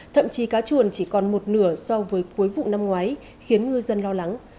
thậm chí cá chuồn chỉ còn một nửa so với cuối vụ năm ngoái khiến ngư dân lo lắng